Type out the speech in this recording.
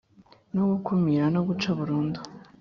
no gukumira no guca burundu